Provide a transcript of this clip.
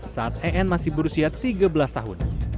saat en masih berusia tiga belas tahun